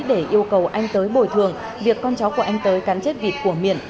để yêu cầu anh tới bồi thường việc con chó của anh tới cắn chết vịt của miển